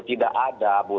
tidak ada bu